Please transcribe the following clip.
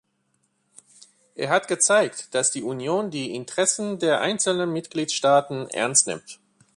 Er hat gezeigt, dass die Union die Interessen der einzelnen Mitgliedstaaten ernst nimmt.